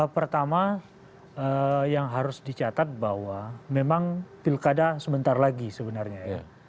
pertama yang harus dicatat bahwa memang pilkada sebentar lagi sebenarnya ya